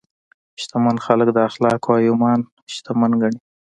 شتمن خلک د اخلاقو او ایمان شتمن ګڼي.